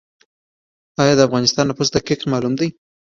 آیا د افغانستان نفوس دقیق معلوم دی؟